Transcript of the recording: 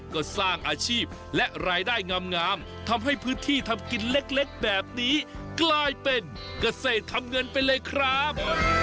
ก็สร้างอาชีพและรายได้งามทำให้พื้นที่ทำกินเล็กแบบนี้กลายเป็นเกษตรทำเงินไปเลยครับ